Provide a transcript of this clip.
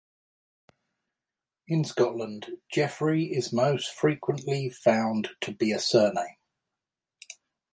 In Scotland, Jeffrey is most frequently found to be a surname.